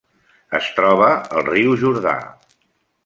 Es troba al riu Jordà.